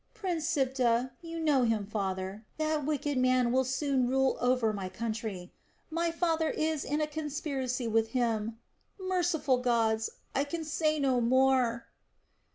Prince Siptah you know him, father that wicked man will soon rule over my country. My father is in a conspiracy with him... merciful gods, I can say no more!"